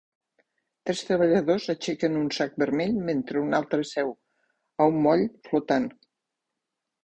Tres treballadors aixequen un sac vermell mentre un altre seu a un moll flotant.